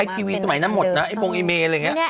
ไอทีวีสมัยนั้นหมดนะบงเอเมฆอะไรแบบนี้